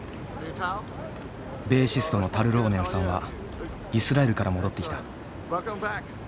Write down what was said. ベーシストのタル・ローネンさんはイスラエルから戻ってきた。